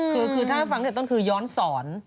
คือถ้าฟังตัวต้นคือย้อนศร